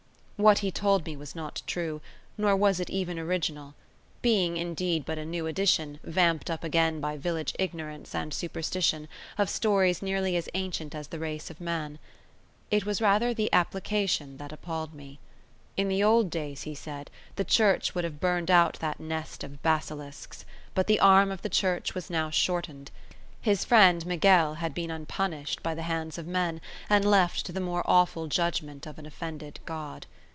What he told me was not true, nor was it even original; being, indeed, but a new edition, vamped up again by village ignorance and superstition, of stories nearly as ancient as the race of man. It was rather the application that appalled me. In the old days, he said, the church would have burned out that nest of basilisks; but the arm of the church was now shortened; his friend Miguel had been unpunished by the hands of men, and left to the more awful judgment of an offended God.